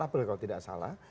april kalau tidak salah